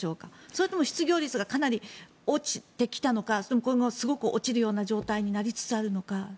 それとも失業率がかなり落ちてきたのか今後、すごく落ちるような状態になりつつあるのか。